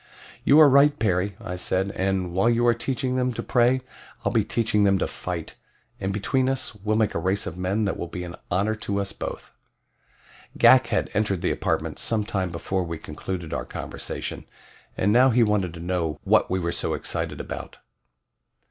"You are right, Perry," I said, "and while you are teaching them to pray I'll be teaching them to fight, and between us we'll make a race of men that will be an honor to us both." Ghak had entered the apartment some time before we concluded our conversation, and now he wanted to know what we were so excited about.